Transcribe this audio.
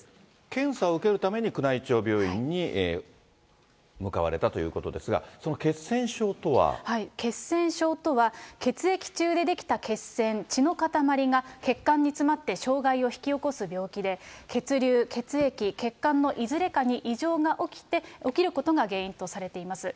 検査を受けるために宮内庁病院に向かわれたということですが、血栓症とは、血液中で出来た血栓、血の塊が、血管に詰まって障害を引き起こす病気で、血流、血液、血管のいずれかに異常が起きて、起きることが原因とされています。